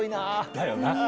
だよな。